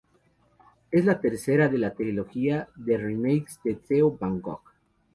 Es la tercera de la trilogía de remakes de Theo van Gogh.